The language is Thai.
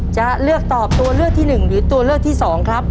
จะเลือกตอบตัวเลือกที่๑หรือตัวเลือกที่๒ครับ